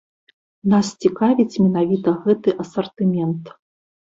Нас цікавіць менавіта гэты асартымент.